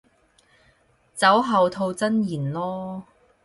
酒後吐真言囉